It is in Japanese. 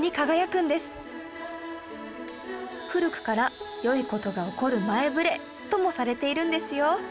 古くから良い事が起こる前ぶれともされているんですよ